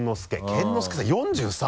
健之介さん４３？